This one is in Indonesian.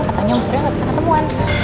katanya om surya gak bisa ketemuan